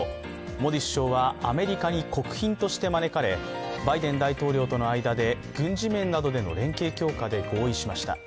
モディ首相はアメリカに国賓として招かれ、バイデン大統領との間で軍事面などでの連携強化で合意しました。